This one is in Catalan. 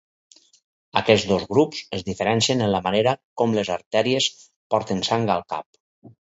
Aquests dos grups es diferencien en la manera com les artèries porten sang al cap.